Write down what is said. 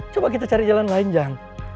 coba kita cari jalan layang jang